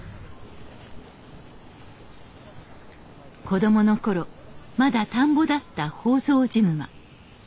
子どもの頃まだ田んぼだった宝蔵寺沼。